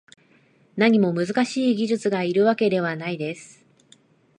何も難しい技術がいるわけではないです